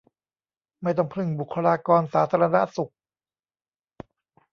ไม่ต้องพึ่งบุคลากรสาธารณสุข